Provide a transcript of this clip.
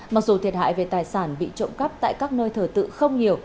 mặc dù thiệt hại về tài sản bị trộm cắp tại các nơi thờ tự không nhiều